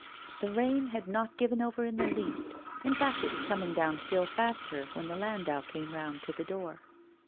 The rain had not given over in the least, in fact, it was coming down still faster when the landau came round to the door.